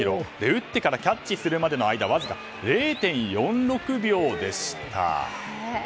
打ってからキャッチするまでの間わずか０．４６秒でした。